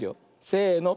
せの。